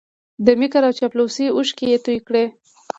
د مکر او چاپلوسۍ اوښکې یې توی کړې